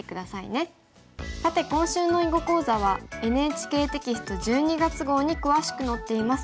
さて今週の囲碁講座はＮＨＫテキスト１２月号に詳しく載っています。